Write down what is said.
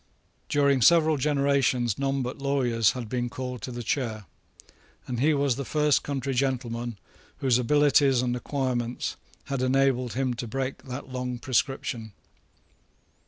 During several generations none but lawyers had been called to the chair; and he was the first country gentleman whose abilities and acquirements had enabled him to break that long prescription.